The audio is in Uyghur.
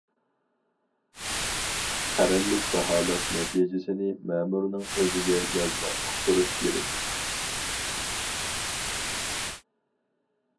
قەرەللىك باھالاش نەتىجىسىنى مەمۇرنىڭ ئۆزىگە يازما ئۇقتۇرۇش كېرەك.